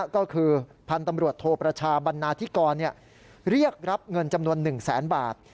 ก็คือพันธุ์ตำรวจโทประชาบันนาธิกรเรียกรับเงินจำนวน๑แสนบาท